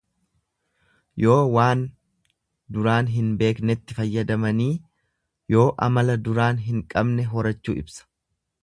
Yoo waan duraan hin beeknetti fayyadamanii Yoo amala duraan hin qabne horachuu ibsa.